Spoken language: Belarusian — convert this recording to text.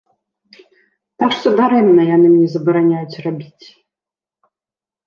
Так што дарэмна яны мне забараняюць рабіць.